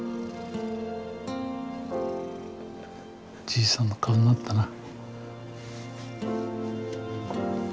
じいさんの顔になったな。